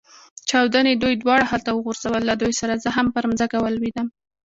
چاودنې دوی دواړه هلته وغورځول، له دوی سره زه هم پر مځکه ولوېدم.